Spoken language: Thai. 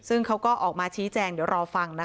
ซึ่งเขาก็ออกมาชี้แจงเดี๋ยวรอฟังนะคะ